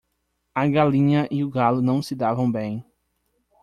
A galinha e o galo não se davam bem.